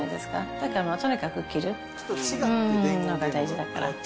だからとにかく着る着るのが大事だから。